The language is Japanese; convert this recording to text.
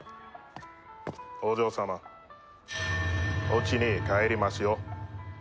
お嬢様おうちに帰りますよ。